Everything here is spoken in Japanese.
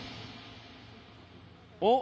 おっ！